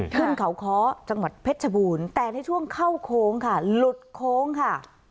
ขึ้นเขาค้อจังหวัดเพชรชบูรณ์แต่ในช่วงเข้าโค้งค่ะหลุดโค้งค่ะ